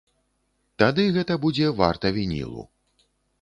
Тады гэта будзе варта вінілу.